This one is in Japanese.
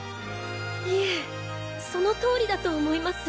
いえそのとおりだと思います。